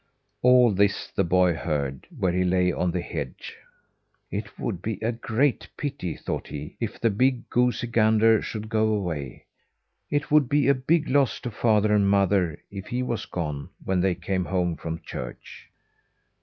All this the boy heard, where he lay on the hedge. "It would be a great pity," thought he, "if the big goosey gander should go away. It would be a big loss to father and mother if he was gone when they came home from church."